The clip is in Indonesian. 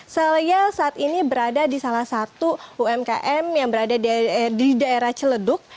saya saat ini berada di salah satu umkm yang berada di daerah celeduk